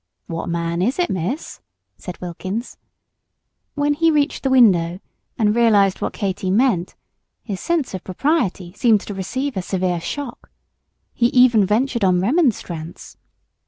"What man is it, Miss?" said Wilkins. When he reached the window and realized what Katy meant, his sense of propriety seemed to receive a severe shock. He even ventured on remonstrance.